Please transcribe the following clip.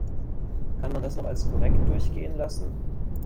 Kann man das noch als korrekt durchgehen lassen?